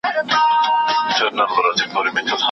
کله کله مي را وګرځي په زړه کي